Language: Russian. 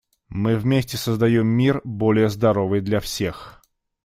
Мы вместе создаем мир, более здоровый для всех.